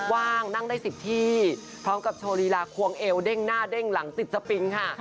ว่างนั่งได้๑๐ที่พร้อมกับโชว์ลีลาควงเอวเด้งหน้าเด้งหลังติดสปิงค่ะ